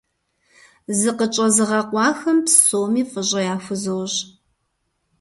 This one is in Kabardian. Зыкъытщӏэзыгъэкъуахэм псоми фӀыщӀэ яхузощӀ.